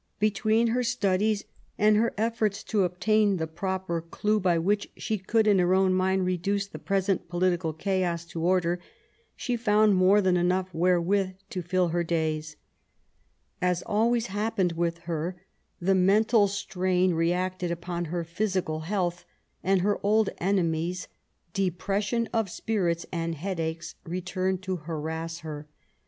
Between her studies and her efforts to obtain the proper clue by which she could in her own mind reduce the present political chaos to order, she found more than enough wherewith to fill her days. As always happened with her, the mental 8 114 MART W0LL8T0NECBAFT GODWIN. strain reacted upon her physical healthy and her old enemies^ depression of spirits and headaches, returned to harass her.